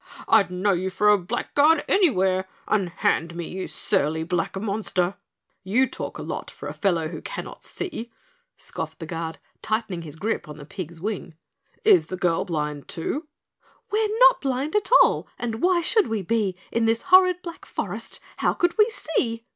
"I'd know you for a blackguard anywhere. Unhand me, you surly black monster." "You talk a lot for a fellow who cannot see," scoffed the Guard, tightening his grip on the pig's wing. "Is the girl blind too?" "We're not blind at all and why should we be, In this horrid black forest how could we see?"